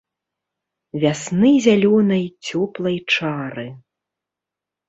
Вясны зялёнай цёплай чары!